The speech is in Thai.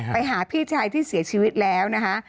ไปหาพี่ชายที่เสียชีวิตแล้วนะคะ